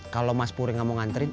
kalau mas purie gak mau nganterin